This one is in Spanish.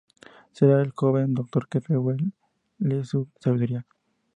Será el joven doctor quien revele su sabiduría.